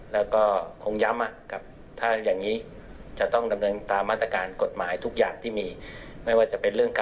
ร้ายแรง